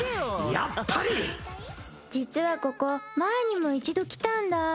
実はここ前にも一度来たんだぁ。